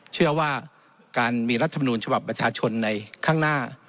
เชื่อว่าการมีรัฐมนูญฉบับประชาชนในข้างหน้า